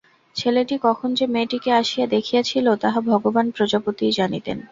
ছেলেটি কখন যে মেয়েটিকে আসিয়া দেখিয়াছিল তাহা ভগবান প্রজাপতিই জানিতেন।